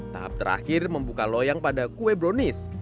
tahap terakhir membuka loyang pada kue brownies